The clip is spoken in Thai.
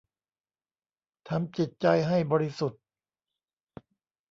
ทำจิตใจให้บริสุทธิ์